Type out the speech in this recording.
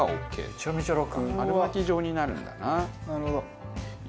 春巻き状になるんだな。